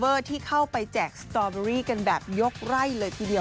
ที่เข้าไปแจกสตอเบอรี่กันแบบยกไร่เลยทีเดียว